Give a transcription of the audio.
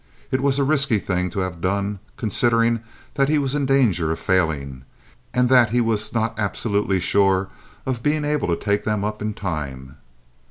It was a risky thing to have done, considering that he was in danger of failing and that he was not absolutely sure of being able to take them up in time.